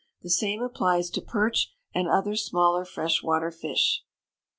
The same applies to perch and other smaller fresh water fish.